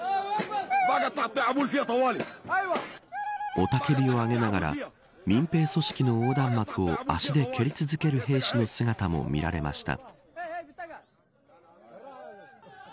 雄たけびを上げながら民兵組織の横断幕を足で蹴り続ける兵士の姿も見られました。